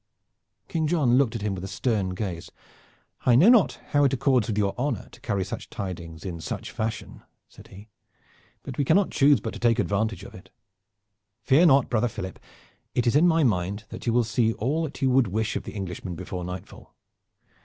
King John looked at him with a stern gaze. "I know not how it accords with your honor to carry such tidings in such a fashion," said he; "but we cannot choose but take advantage of it. Fear not, brother Philip, it is in my mind that you will see all that you would wish of the Englishmen before nightfall.